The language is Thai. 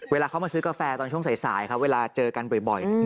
เวลาเขามาซื้อกาแฟตอนช่วงสายครับเวลาเจอกันบ่อย